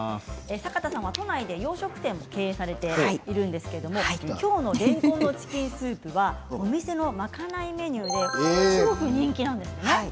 坂田さんは都内で洋食店を経営されているんですけれど今日のれんこんのチキンスープはお店のまかないメニューですごく人気なんですね。